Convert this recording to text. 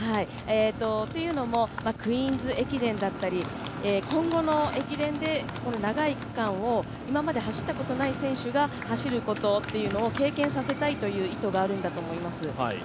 というのもクイーンズ駅伝だったり今後の駅伝で長い区間を今まで走ったことがない選手が走ることを経験させたいという意図があるんだと思います。